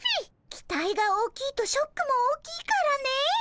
期待が大きいとショックも大きいからね。